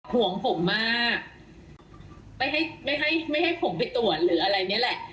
ห่วงผมมากไม่ให้ผมไปตรวจหรืออะไรนี้แหละ